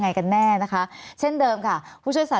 มีความรู้สึกว่ามีความรู้สึกว่า